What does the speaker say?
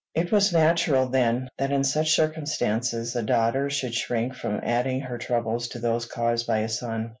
It was natural, then, that in such circumstances a daughter should shrink from adding her troubles to those caused by a son.